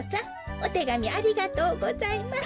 おてがみありがとうございます。